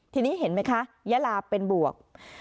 ทีนี้เห็นไหมคะยาลาเป็นบวก